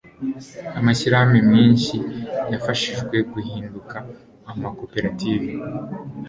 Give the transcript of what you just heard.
amashyirahamwe menshi yafashijwe guhinduka amakoperative